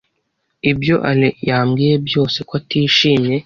Ibyo Alain yambwiye byose ko atishimye.